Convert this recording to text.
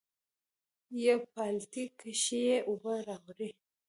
پۀ بالټي کښې ئې اوبۀ راوړې ـ